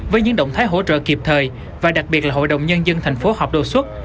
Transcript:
với những động thái hỗ trợ kịp thời và đặc biệt là hội đồng nhân dân thành phố họp xuất